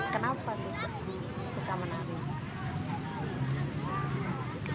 kenapa suka menari